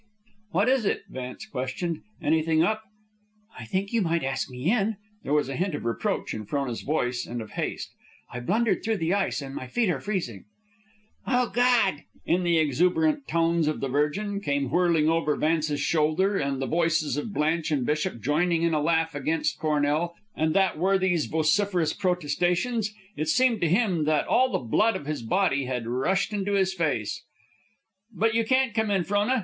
"What is it?" Vance questioned. "Anything up?" "I think you might ask me in." There was a hint of reproach in Frona's voice, and of haste. "I blundered through the ice, and my feet are freezing." "O Gawd!" in the exuberant tones of the Virgin, came whirling over Vance's shoulder, and the voices of Blanche and Bishop joining in a laugh against Cornell, and that worthy's vociferous protestations. It seemed to him that all the blood of his body had rushed into his face. "But you can't come in, Frona.